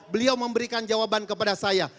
beliau memberikan jawaban kepada saya